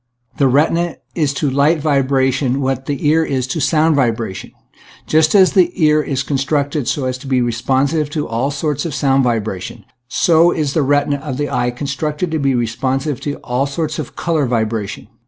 The retina is to light vibration what the ear is to sound vibration. And just as the ear is con structed so as to be responsive to all sorts of sound vibration, so is the retina of the eye constructed to be responsive to all sorts of color vibration.